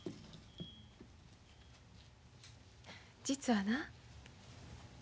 実はな。